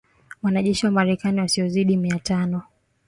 Wanajeshi wa Marekani wasiozidi mia tano